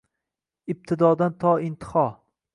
Ibtidodan to intiho